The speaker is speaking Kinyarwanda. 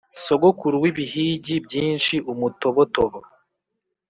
Sogokuru w'ibihigi byinshi-Umutobotobo.